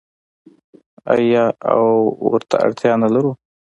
آیا او ورته اړتیا نلرو؟